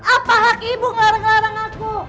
apa hak ibu ngelarang larangan aku